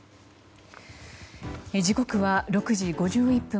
時刻は６時５１分。